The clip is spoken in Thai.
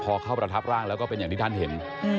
พอเข้าประทับร่างแล้วก็เป็นอย่างที่ท่านเห็น